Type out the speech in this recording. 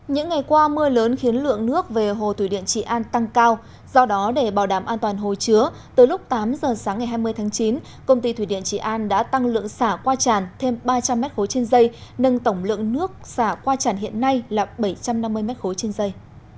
những ngày qua mưa lớn khiến lượng nước về hồ thủy điện trị an tăng cao do đó để bảo đảm an toàn hồi chứa tới lúc tám giờ sáng ngày hai mươi tháng chín công ty thủy điện trị an đã tăng lượng xả qua tràn thêm ba trăm linh m ba trên dây nâng tổng lượng nước xả qua tràn hiện nay là bảy trăm năm mươi m ba trên dây